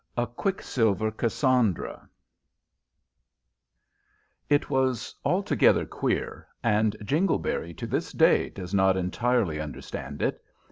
A QUICKSILVER CASSANDRA It was altogether queer, and Jingleberry to this day does not entirely understand it.